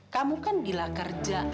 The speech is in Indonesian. kamu kan gila kerja